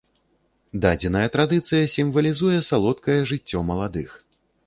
Дадзеная традыцыя сімвалізуе салодкае жыццё маладых.